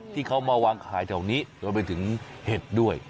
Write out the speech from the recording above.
ที่เขามาวางขายแถวนี้รวมไปถึงเห็ดด้วย